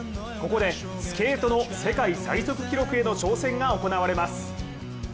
ここでスケートの世界最速記録への挑戦が行われます。